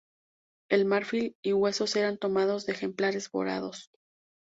El marfil y huesos eran tomados de ejemplares varados.